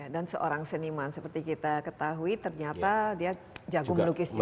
dan seorang seniman seperti kita ketahui ternyata dia jago melukis juga